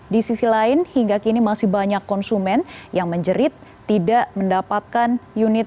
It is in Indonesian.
di sisi lain hingga kini masih banyak konsumen yang menjerit tidak mendapatkan unit